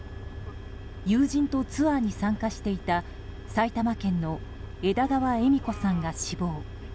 友人とツアーに参加していた埼玉県の枝川恵美子さんが死亡。